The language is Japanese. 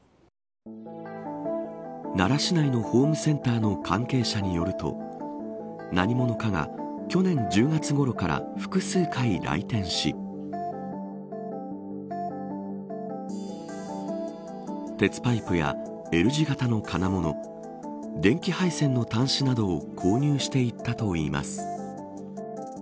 奈良市内のホームセンターの関係者によると何者かが、去年１０月ごろから複数回来店し鉄パイプやＬ字型の金物電気配線の端子などを購入していったといいます。